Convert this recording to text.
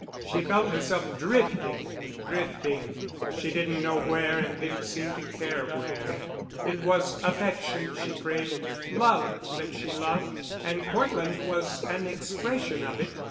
She felt herself drifting—drifting—she didn't know where and didn't seem to care where. It was affection she craved, love that she loved, and Cortland was an expression of it.